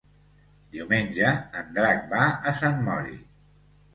Diumenge en Drac va a Sant Mori.